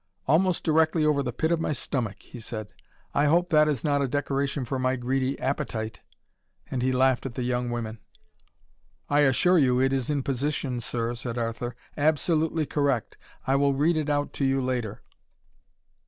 "Almost directly over the pit of my stomach," he said. "I hope that is not a decoration for my greedy APPETITE." And he laughed at the young women. "I assure you it is in position, Sir," said Arthur. "Absolutely correct. I will read it out to you later."